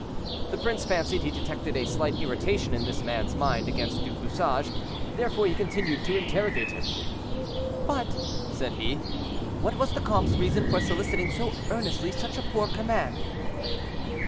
The prince fancied he detected a slight irritation in this man's mind against Du Bouchage; therefore he continued to interrogate him. "But," said he, "what was the comte's reason for soliciting so earnestly such a poor command?"